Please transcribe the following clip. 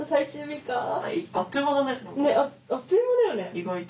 意外と。